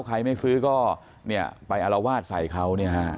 ใครไม่ซื้อก็ไปอารวาสใส่เขา